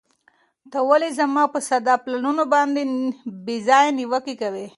ته ولې زما په ساده پلانونو باندې بې ځایه نیوکې کوې؟